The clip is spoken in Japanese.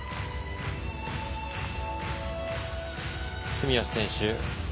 住吉選手